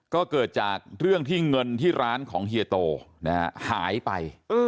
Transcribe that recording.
ก็เกิดจากเรื่องที่เงินที่ร้านของเฮียโตหายไป